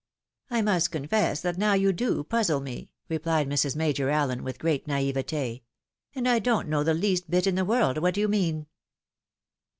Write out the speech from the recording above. " I must confess that now you do puzzle me," replied Mrs. Major Allen, with great naivete, " and I don't know the least bit in the world what you mean."